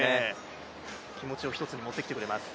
気持ちを一つに持ってきてくれます。